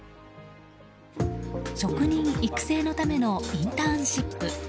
職人育成のためのインターンシップ。